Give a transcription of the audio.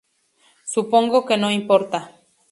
Supongo que no importa.